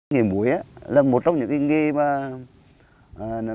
nghề muối là một trong những nghề mà